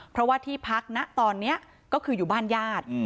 เพราะว่าที่พักนะตอนนี้ก็คืออยู่บ้านญาติ